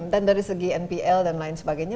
dan dari segi npl dan lain sebagainya